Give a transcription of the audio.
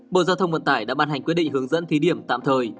bộ giao thông vận tải đã ban hành quyết định hướng dẫn thí điểm tạm thời